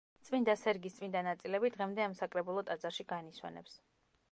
წმინდა სერგის წმინდა ნაწილები დღემდე ამ საკრებულო ტაძარში განისვენებს.